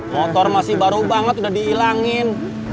motor masih baru banget udah dihilangin